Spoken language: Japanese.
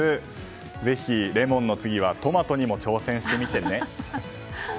ぜひ、レモンの次はトマトにも挑戦してみてね。